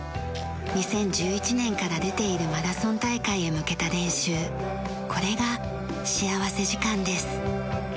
２０１１年から出ているマラソン大会へ向けた練習これが幸福時間です。